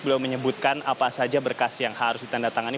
belum menyebutkan apa saja berkas yang harus ditandatangani